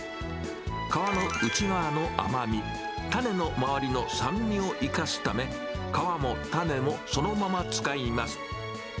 皮の内側の甘み、種の周りの酸味を生かすため、皮も種もそのまま使います。